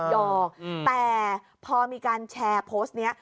หอกแต่พอมีการแชร์โพสต์นี้